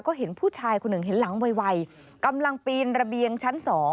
ก็เห็นผู้ชายคนหนึ่งเห็นหลังไวกำลังปีนระเบียงชั้น๒